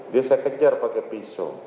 dia saya kejar pakai pisau